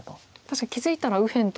確かに気付いたら右辺と下辺に。